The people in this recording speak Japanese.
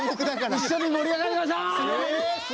一緒に盛り上がりましょう！